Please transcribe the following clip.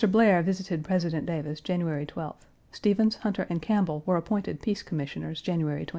Blair visited President Davis January 12th; Stephens, Hunter and Campbell were appointed Peace Commissioners, January 28th.